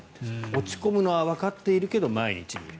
落ち込むのはわかっているけど毎日見る。